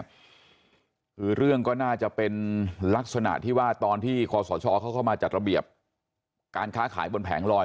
คือเรื่องก็น่าจะเป็นลักษณะที่ว่าตอนที่คอสชเขาเข้ามาจัดระเบียบการค้าขายบนแผงลอย